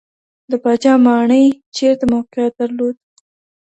د پاچا ماڼۍ چیرته موقعیت درلود؟